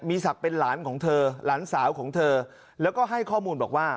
มีศักดิ์เป็นหลานของเธอหลานสาวของเธอแล้วก็ให้ข้อมูลบอกว่า